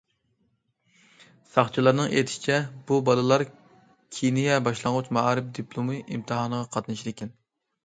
ساقچىلارنىڭ ئېيتىشىچە، بۇ بالىلار كېنىيە باشلانغۇچ مائارىپ دىپلومى ئىمتىھانىغا قاتنىشىدىكەن.